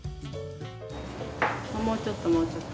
もうちょっともうちょっと。